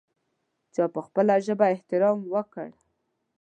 چا په خپله ژبه احترام وکړ.